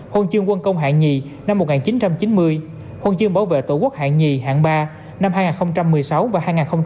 hồn chương quân công hạng hai năm một nghìn chín trăm chín mươi hồn chương bảo vệ tổ quốc hạng hai hạng ba năm hai nghìn một mươi sáu và hai nghìn một mươi một